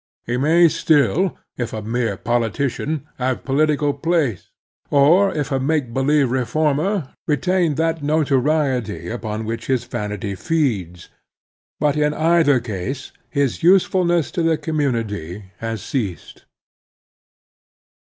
He may still, if a mere politician, have political place, or, if a make believe re fonner, retain that notoriety upon which his vanity feeds. But, in either case, his usefulness to the community has ceased.